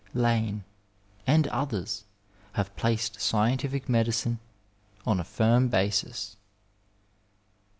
Lane and others have placed scientific medicine on a firm basis.